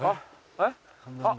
えっ？